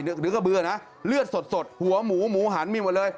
หรือกระเบื่อนะเลือดสดหัวหมูหมูหันมีหมดเลย